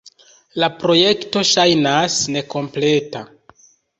La projekto ŝajnas nekompleta.